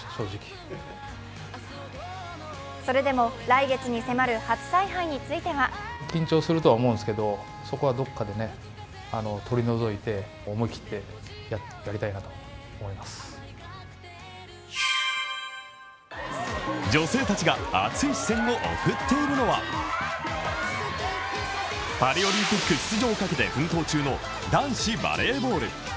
それでも来月に迫る初采配については女性たちが熱い視線を送っているのはパリオリンピック出場をかけて奮闘中の男子バレーボール。